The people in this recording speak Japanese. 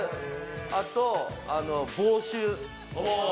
あと防臭。